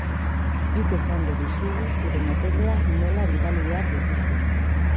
Guk esango dizugu zure materiala nola bidali behar diguzun.